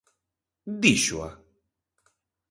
¿Díxoa?